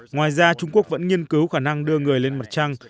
ngoài ra trung quốc vẫn nghiên cứu khả năng đưa người lên mặt trăng